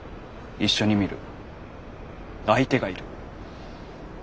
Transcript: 一緒に見る相手がいる。